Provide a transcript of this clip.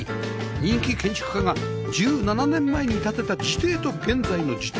人気建築家が１７年前に建てた自邸と現在の自邸